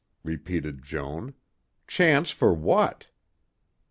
repeated Joan. "Chance for what?"